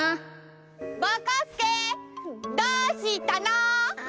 ぼこすけどうしたの？